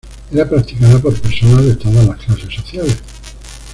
Era practicada por personas de todas las clases sociales.